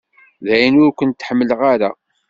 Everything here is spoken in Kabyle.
Dayen ur kent-ḥemmleɣ ara.